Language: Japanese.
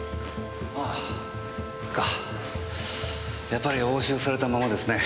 やっぱり押収されたままですね。